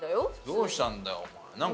どうしたんだよお前。